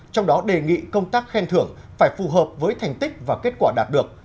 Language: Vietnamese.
trong đó đề nghị công tác khen thưởng phải phù hợp với thành tích và kết quả đạt được